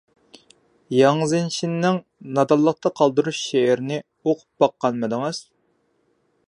ياڭ زېڭشىننىڭ «نادانلىقتا قالدۇرۇش» شېئىرىنى ئوقۇپ باققانمىدىڭىز؟